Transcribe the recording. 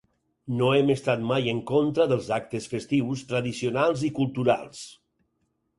No hem estat mai en contra dels actes festius, tradicionals i culturals.